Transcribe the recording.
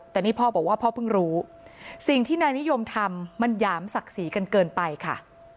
แต่นี่พ่อบอกว่าพ่อเพิ่งรู้สิ่งที่นายนิยมทำมันหยามศักดิ์ศรีกันเกินไปค่ะ